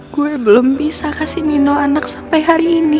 gue belum bisa kasih nino anak sampai hari ini